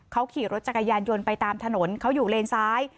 เขาขี่รถจักรยานยนต์ไปตามถนนเขาอยู่เลนซ้าย